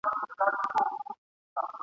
د هغې ورځي په تمه سپینوم تیارې د عمر ..